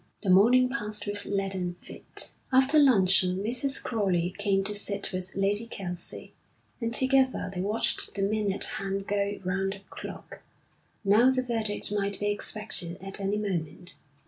The morning passed with leaden feet. After luncheon Mrs. Crowley came to sit with Lady Kelsey, and together they watched the minute hand go round the clock. Now the verdict might be expected at any moment.